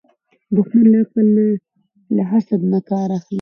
دښمن له عقل نه، له حسد نه کار اخلي